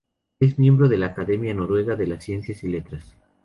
Es miembro de la Academia Noruega de Ciencias y Letras.